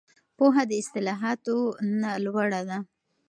پوهه د اصطلاحاتو نه لوړه ده.